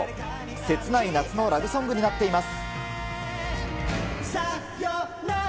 切ない夏のラブソングになっています。